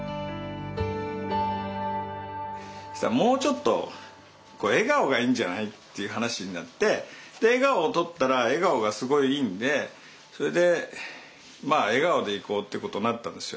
もうちょっと笑顔がいいんじゃない？っていう話になって笑顔を撮ったら笑顔がすごいいいんでそれでまあ笑顔でいこうっていうことになったんですよ。